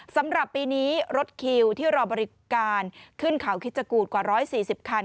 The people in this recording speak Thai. สำหรับปีนี้รถคิวที่รอบริการขึ้นเขาคิดจกูตกว่า๑๔๐คัน